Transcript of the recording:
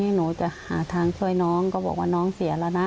หนูจะหาทางช่วยน้องก็บอกว่าน้องเสียแล้วนะ